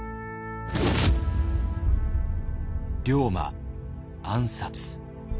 龍馬暗殺。